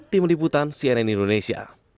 tim liputan cnn indonesia